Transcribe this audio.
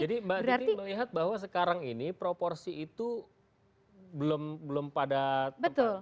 jadi mbak didi melihat bahwa sekarang ini proporsi itu belum padat